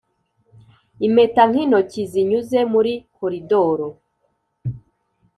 impeta nk'intoki zinyuze muri koridoro,